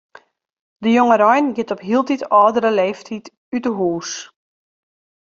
De jongerein giet op hieltyd âldere leeftiid út 'e hûs.